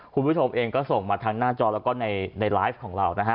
คุณผู้ชมเองก็ส่งมาทางหน้าจอแล้วก็ในไลฟ์ของเรานะฮะ